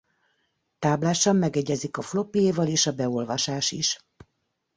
Táblásan megegyezik a floppyéval és a beolvasás is.